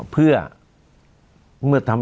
เพื่อ